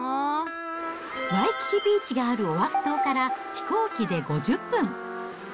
ワイキキビーチがあるオアフ島から飛行機で５０分。